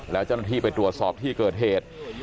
แล้วเจ้าหน้าที่ไปตรวจสอบที่เกิดเหตุ